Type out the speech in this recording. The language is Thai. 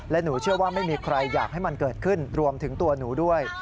และหนูเชื่อว่าไม่มีใครอยากให้มันเกิดขึ้นรวมถึงตัวหนูด้วย